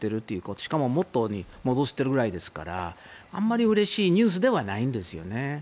しかも元に戻しているぐらいですからあまりうれしいニュースではないんですね。